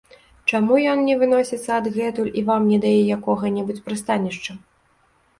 Чаму ён не выносіцца адгэтуль і вам не дае якога-небудзь прыстанішча?